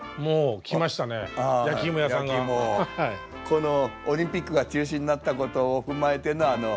このオリンピックが中止になったことを踏まえてのあの。